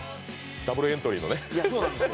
ダブルエントリーのね。